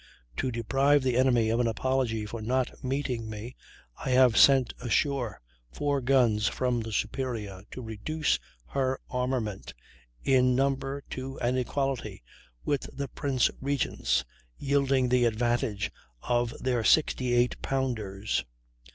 To deprive the enemy of an apology for not meeting me, I have sent ashore four guns from the Superior to reduce her armament in number to an equality with the Prince Regent's, yielding the advantage of their 68 pounders.